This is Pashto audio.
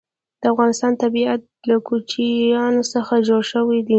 د افغانستان طبیعت له کوچیان څخه جوړ شوی دی.